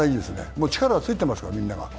もう力はついてますから、みんなが。